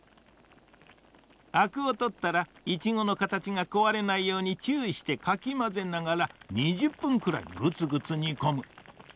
アクをとったらイチゴのかたちがこわれないようにちゅういしてかきまぜながら２０分くらいグツグツにこむ。